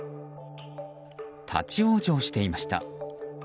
立ち往生していました。